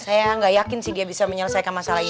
saya nggak yakin sih dia bisa menyelesaikan masalah ini